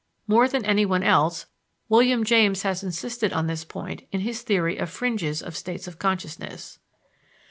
More than any one else, William James has insisted on this point in his theory of "fringes" of states of consciousness.